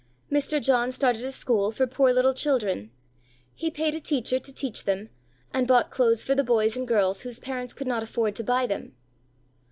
Mr. John started a school for poor little children; he paid a teacher to teach them, and bought clothes for the boys and girls whose parents could not afford to buy them.